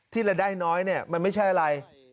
ที่ละได้น้อยเนี่ยมันไม่ใช่อะไร